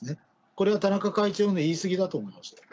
これは田中会長の言い過ぎだと思いましたよ。